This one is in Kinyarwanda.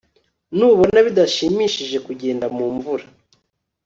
Ntubona bidashimishije kugenda mumvura